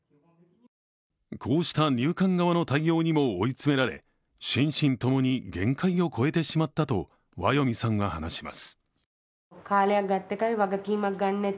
こうした入管側の対応にも追い詰められ心身共に限界を超えてしまったとワヨミさんは話します。